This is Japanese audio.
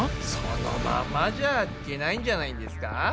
そのままじゃいけないんじゃないんですか？